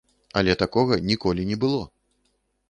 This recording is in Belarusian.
Але такога ніколі не было!